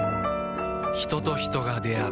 人と人が出会う